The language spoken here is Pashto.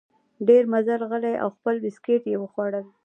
ډېر مزل غلی او خپل بسکیټ یې خوړل.